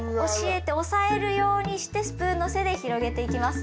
押さえるようにしてスプーンの背で広げていきます。